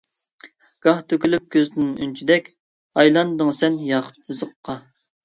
گاھ تۆكۈلۈپ كۆزدىن ئۇنچىدەك، ئايلاندىڭ سەن ياقۇت تىزىققا.